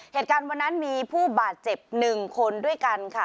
เหตุการณ์วันนั้นมีผู้บาดเจ็บ๑คนด้วยกันค่ะ